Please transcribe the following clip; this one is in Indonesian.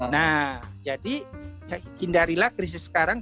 nah jadi hindarilah krisis sekarang